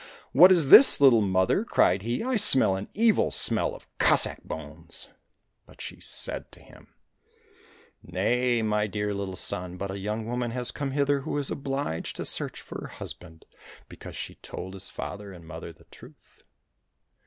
" What is this, little mother ?" cried he. "I smell an evil smell of Cossack bones !"— But she said to him, " Nay, my dear little son, but a young woman has come hither who is obliged to search for her husband because she told his father and mother the truth."